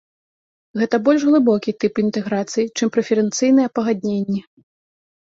Гэта больш глыбокі тып інтэграцыі, чым прэферэнцыйныя пагадненні.